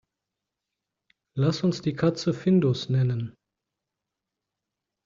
Lass uns die Katze Findus nennen.